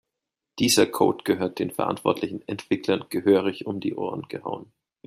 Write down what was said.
Dieser Code gehört den verantwortlichen Entwicklern gehörig um die Ohren gehauen.